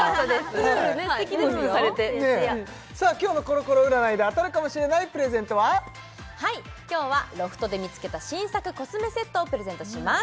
うるうるされてさあ今日のコロコロ占いで当たるかもしれないプレゼントははい今日はロフトで見つけた新作コスメセットをプレゼントします